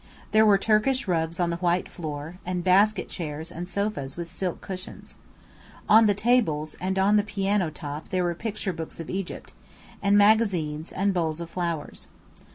There were Turkish rugs on the white floor, and basket chairs and sofas with silk cushions. On the tables and on the piano top there were picture books of Egypt, and magazines, and bowls of flowers.